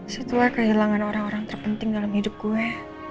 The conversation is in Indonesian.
setelah kehilangan orang orang terpenting dalam hidup gue